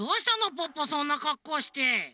ポッポそんなかっこうして。